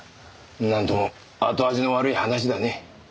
なんとも後味の悪い話だね。